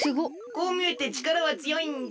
こうみえてちからはつよいんじゃ。